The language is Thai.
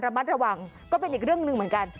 ระมัดระวังก็เป็นอีกเรื่องหนึ่งเหมือนกัน